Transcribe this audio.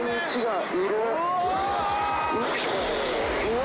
うわ。